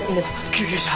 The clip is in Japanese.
救急車。